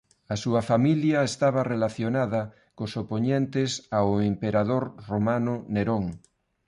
A súa familia estaba relacionada cos opoñentes ao emperador romano Nerón.